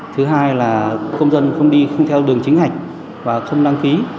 thứ hai là công dân không đi theo đường chính hạch và không đăng ký